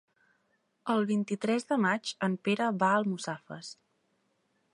El vint-i-tres de maig en Pere va a Almussafes.